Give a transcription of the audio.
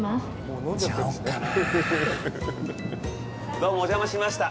どうも、お邪魔しました。